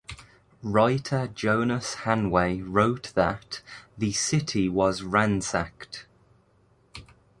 Writer Jonas Hanway wrote that "the city was ransacked".